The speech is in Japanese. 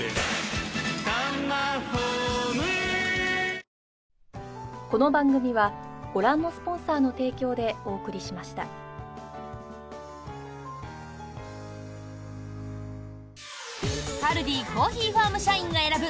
ペイトクカルディコーヒーファーム社員が選ぶ